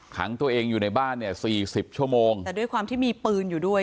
ขังตัวเองอยู่ในบ้านเนี่ยสี่สิบชั่วโมงแต่ด้วยความที่มีปืนอยู่ด้วย